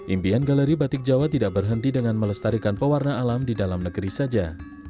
impian galeri batik jawa tidak berhenti dengan melestarikan pewarna alam di dalam negeri saja